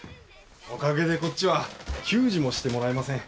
おかげでこっちは給仕もしてもらえません。